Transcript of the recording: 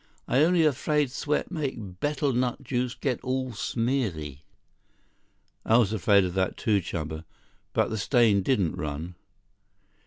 I only afraid sweat make betel nut juice get all smeary." "I was afraid of that, too, Chuba. But the stain didn't run."